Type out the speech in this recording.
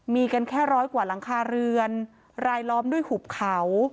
มีกันแค่ร้อยกว่าหลังคาเรือนรายล้อมด้วยหุบเขา